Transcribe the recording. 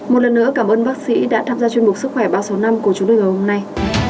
một lần nữa cảm ơn bác sĩ đã tham gia chuyên mục sức khỏe bao số năm của chúng tôi vào hôm nay